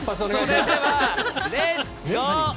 それでは、レッツゴー！